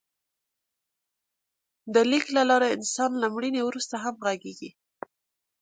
د لیک له لارې انسان له مړینې وروسته هم غږېږي.